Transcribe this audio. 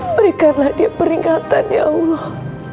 berikanlah dia peringatan ya allah